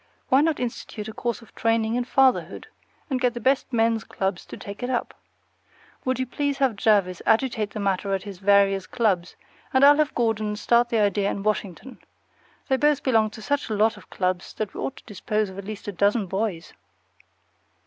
Why not institute a course of training in fatherhood, and get the best men's clubs to take it up? Will you please have Jervis agitate the matter at his various clubs, and I'll have Gordon start the idea in Washington. They both belong to such a lot of clubs that we ought to dispose of at least a dozen boys.